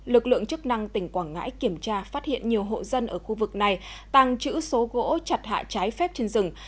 lực lượng chức năng tỉnh quảng ngãi kiểm tra phát hiện nhiều hộ dân ở khu vực này tăng chữ số gỗ chặt hạ trái phép trên rừng